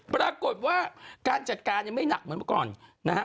ปรากฏว่าการจัดการยังไม่หนักเหมือนเมื่อก่อนนะฮะ